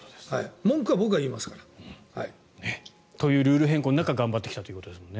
文句は僕が言いますから。というルール変更の中頑張ってきたと。